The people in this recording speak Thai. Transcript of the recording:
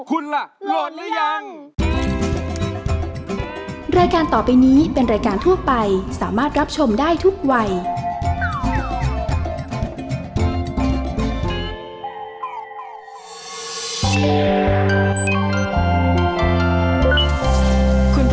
คุณล่ะโหลดแล้วยัง